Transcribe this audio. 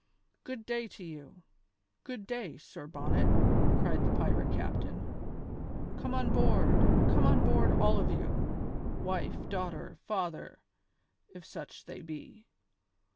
"Good day to you! Good day, Sir Bonnet," cried the pirate captain; "come on board, come on board, all of you, wife, daughter, father, if such they be!